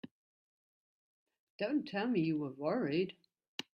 Don't tell me you were worried!